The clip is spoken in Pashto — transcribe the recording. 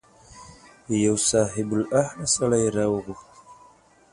یو صاحب الحاله سړی یې راوغوښت.